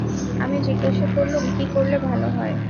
আমি জিজ্ঞাসা করলুম, কী করলে ভালো হয়?